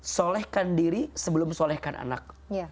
solehkan diri sebelum solehkan anak